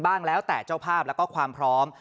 แล้วแต่เจ้าภาพแล้วก็ความพร้อม